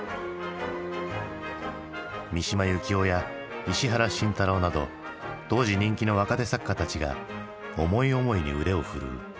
三島由紀夫や石原慎太郎など当時人気の若手作家たちが思い思いに腕を振るう。